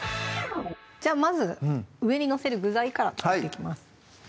じゃあまず上に載せる具材から作っていきます